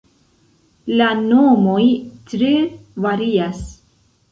La nomoj tre varias.